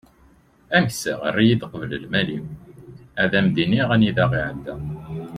ameksa err-iyi-d qbel lmal-iw ad am-d-inin anida iεedda